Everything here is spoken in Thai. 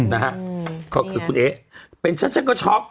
นะฮะก็คือคุณเอ๊ะเป็นชัดก็ช็อค